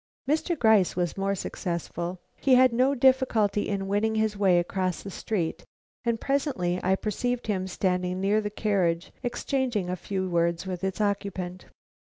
Mr. Gryce was more successful. He had no difficulty in winning his way across the street, and presently I perceived him standing near the carriage exchanging a few words with its occupant.